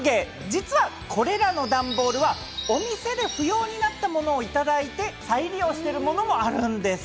実はこれらの段ボールは、お店で不要になったものをいただいて、再利用しているものもあるんです。